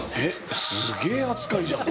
すげえ扱いじゃん！